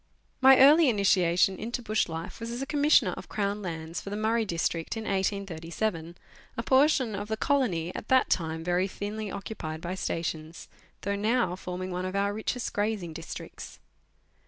2 39 My early initiation into bush life was as a Commissioner of Crown Lands for the Murray District in 1837, a portion of the colony at that time very thinly occupied by stations, though now forming one of our richest grazing districts.